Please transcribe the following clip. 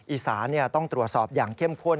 อีสานต้องตรวจสอบอย่างเข้มข้น